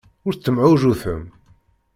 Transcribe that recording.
Ur tettemɛujjutem.